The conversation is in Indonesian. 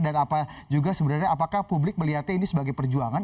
dan juga sebenarnya apakah publik melihatnya ini sebagai perjuangan